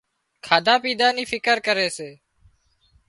کاڌا پيڌا ني فڪر ڪري سي